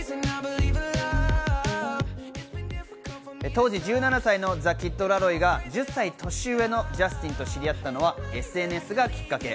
当時１７歳のザ・キッド・ラロイが１０歳年上のジャスティンと知り合ったのはＳＮＳがきっかけ。